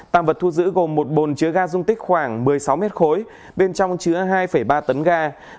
tạm vật thu giữ gồm một bồn chứa ga dung tích khoảng một mươi sáu mét khối bên trong chứa hai ba tấn ga